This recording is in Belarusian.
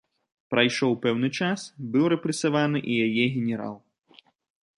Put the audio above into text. Прайшоў пэўны час, быў рэпрэсаваны і яе генерал.